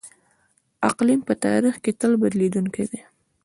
اقلیم په تاریخ کې تل بدلیدونکی دی.